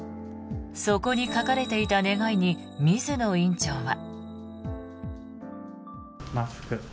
そこに書かれていた願いに水野院長は。